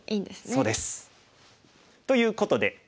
そうです。ということで。